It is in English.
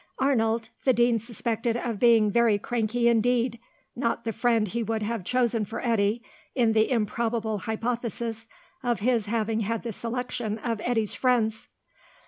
Arnold the Dean suspected of being very cranky indeed; not the friend he would have chosen for Eddy in the improbable hypothesis of his having had the selection of Eddy's friends.